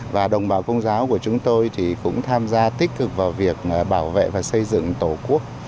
và đồng bào công giáo của chúng tôi thì cũng tham gia tích cực vào việc bảo vệ và xây dựng tổ quốc